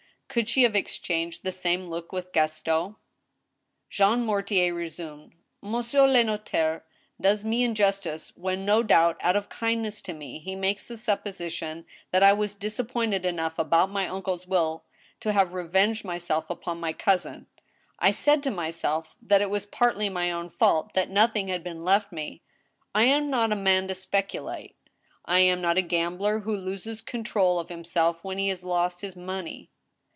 Could she have exchanged the same look with Gaston ? Jean Mortier resumed :*' Monsieur le notaire does me injustice when, no doubt, out of kindness to me, he makes the supposition that I was disappointed enough about my uncle's will to have revenged myself upon my cousin. ... I said to myself that it was partly my own fault that nothing had been left me. I am not a man to speculate, I am not a gambler who loses control of liimself when he has lost his money."